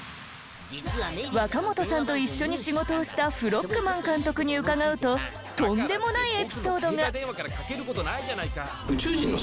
若本さんと一緒に仕事をしたＦＲＯＧＭＡＮ監督に伺うととんでもないエピソードが。